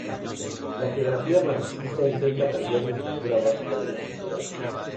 La geografía marxista intenta cambiar la estructura básica de la sociedad.